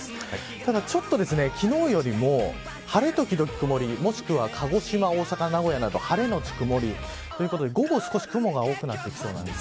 ただちょっと昨日よりも晴れ時々くもりもしくは、鹿児島、大阪名古屋など晴れのち曇りということで、午後、少し雲が多くなってきそうなんです。